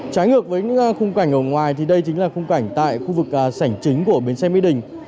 trái ngược với những khung cảnh ở ngoài thì đây chính là khung cảnh tại khu vực sảnh chính của bến xe mỹ đình